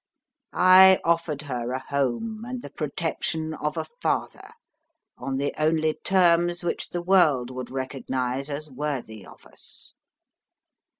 I offered her a home and the protection of a father, on the only terms which the world would recognise as worthy of us.